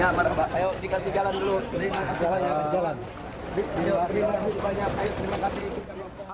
jalan jalan jalan